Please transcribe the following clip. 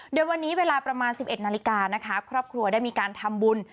เดี๋ยววันนี้เวลาประมาณสิบเอ็ดนาฬิกาครอบครัวได้มีทำบุญ